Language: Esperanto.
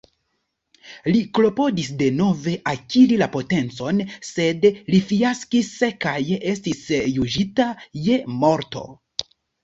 Li klopodis denove akiri la potencon, sed li fiaskis kaj estis juĝita je morto.